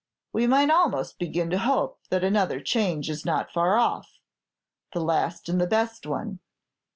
We might almost begin to hope that another change is not far off, the last and the best one."